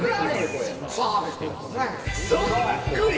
声そっくり！